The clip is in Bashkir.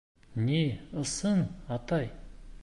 — Ни, ысын, атай.